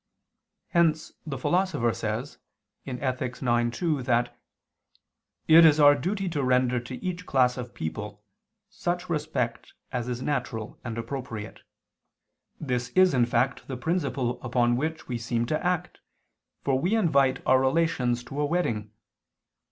Hence the Philosopher says (Ethic. ix, 2) that "it is our duty to render to each class of people such respect as is natural and appropriate. This is in fact the principle upon which we seem to act, for we invite our relations to a wedding